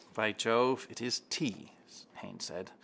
—By Jove, it is tea, Haines said.